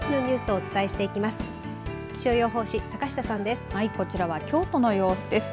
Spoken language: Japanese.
はい、こちらは京都の様子です。